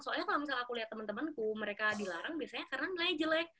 soalnya kalau misalnya aku lihat teman temanku mereka dilarang biasanya karena nilainya jelek